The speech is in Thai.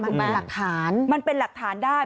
มันเป็นหลักฐานมันเป็นหลักฐานได้